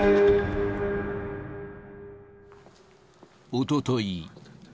おととい。